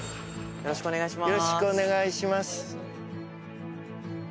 よろしくお願いします。